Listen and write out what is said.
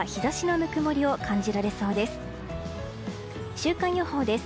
週間予報です。